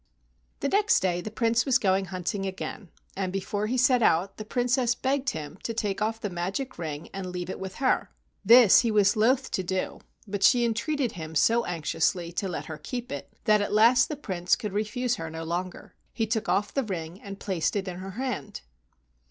The next day the Prince was going hunting again, and before he set out the Princess begged him to take off the magic ring and leave it with her. This he was loath to do, but she entreated him so anxiously to let her keep it that at last 49 THE WONDERFUL RING the Prince could refuse her no longer. He took off the ring and placed it in her hand.